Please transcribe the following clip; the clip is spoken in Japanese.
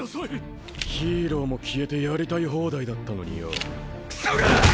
ヒーローも消えてやりたい放題だったのによぉクソがぁっ！！